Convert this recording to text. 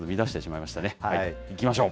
いきましょう。